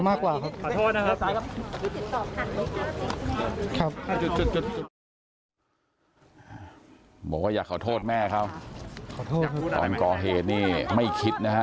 บอกว่าอยากขอโทษแม่เขาขอโทษตอนก่อเหตุนี่ไม่คิดนะฮะ